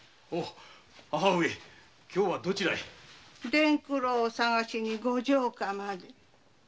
伝九郎を捜しにご城下まで。